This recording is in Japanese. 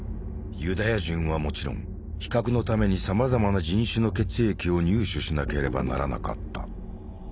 ユダヤ人はもちろん比較のためにさまざまな人種の血液を入手しなければならなかった。